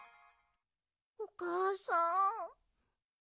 おかあさん。